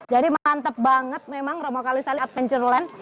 jadi mantep banget memang ropo kalisari adventureland